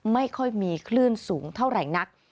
ไม่ค่อยมีคลื่นสูงเท่าไหร่นัก